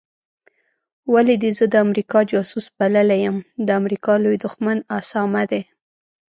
ولي دي زه د امریکا جاسوس بللی یم د امریکا لوی دښمن اسامه دی